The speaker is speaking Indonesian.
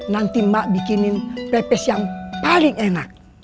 nanti mak bikinin pepes yang paling enak